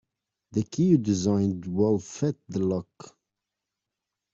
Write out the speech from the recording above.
The key you designed will fit the lock.